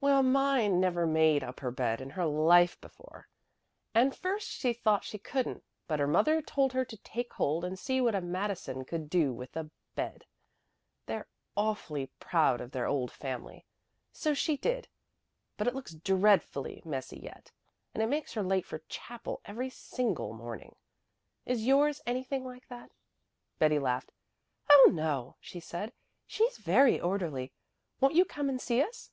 "Well, mine never made up her bed in her life before, and first she thought she couldn't, but her mother told her to take hold and see what a Madison could do with a bed they're awfully proud of their old family so she did; but it looks dreadfully messy yet, and it makes her late for chapel every single morning. Is yours anything like that?" Betty laughed. "Oh, no," she said. "She's very orderly. Won't you come and see us?"